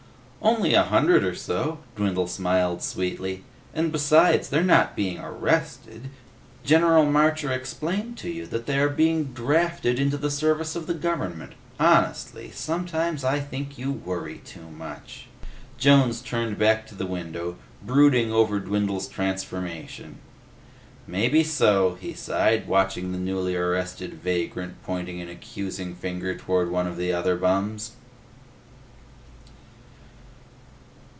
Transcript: "Only a hundred or so," Dwindle smiled sweetly. "And besides, they're not being arrested. General Marcher explained to you that they are being drafted into the service of the government. Honestly, sometimes I think you worry too much." Jones turned back to the window, brooding over Dwindle's transformation. "Maybe so," he sighed, watching the newly arrested vagrant pointing an accusing finger toward one of the other bums.